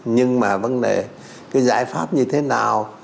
nhưng mà vấn đề cái giải pháp như thế nào